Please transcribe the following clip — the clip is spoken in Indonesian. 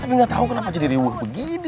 tapi gak tau kenapa jadi gue begitu